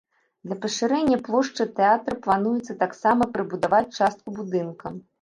Для пашырэння плошчы тэатра плануецца таксама прыбудаваць частку будынка.